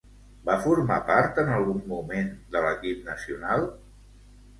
Va formar part en algun moment de l'equip nacional?